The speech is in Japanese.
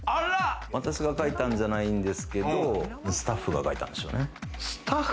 私が書いたんじゃないんですけれど、スタッフが書いたんでしょうね。